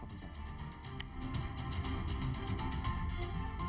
kembali kembali bersajidah